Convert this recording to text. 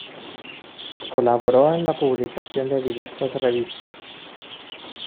Colaboró en la publicación de diversas revistas.